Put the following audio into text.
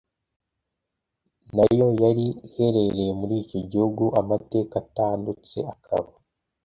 Na yo yari iherereye muri icyo gihugu amateka atandutse akaba